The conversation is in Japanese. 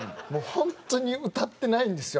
ホントに歌ってないんですよ